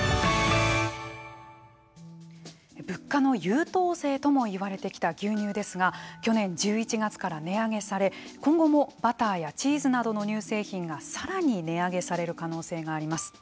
物価の優等生ともいわれてきた牛乳ですが去年１１月から値上げされ今後もバターやチーズなどの乳製品が、さらに値上げされる可能性があります。